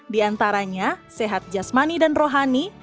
di antaranya sehat jasmani dan rohani